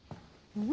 うん？